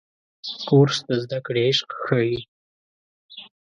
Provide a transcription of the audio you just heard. کورس د زده کړې عشق ښيي.